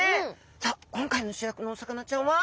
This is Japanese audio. さあ今回の主役のお魚ちゃんは。